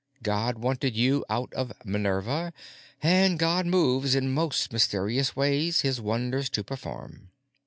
God wanted you out of "Minerva"—and God moves in most mysterious ways His wonders to perform.